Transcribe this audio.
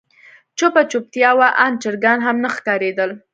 چوپه چوپتيا وه آن چرګان هم نه ښکارېدل.